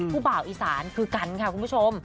บ่าวอีสานคือกันค่ะคุณผู้ชม